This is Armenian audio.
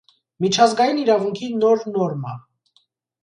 Միջազգային իրավունքի նոր նորմա։